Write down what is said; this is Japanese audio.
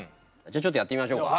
じゃあちょっとやってみましょうか。